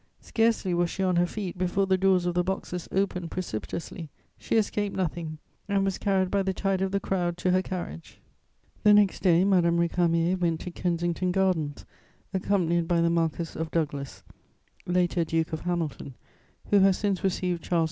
Scarcely was she on her feet, before the doors of the boxes opened precipitously; she escaped nothing, and was carried by the tide of the crowd to her carriage. The next day, Madame Récamier went to Kensington Gardens, accompanied by the Marquess of Douglas, later Duke of Hamilton, who has since received Charles X.